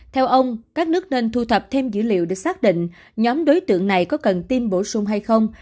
theo ông các nước nên thu thập thêm dữ liệu để xác định nhóm đối tượng này có cần tiêm bổ sung hay không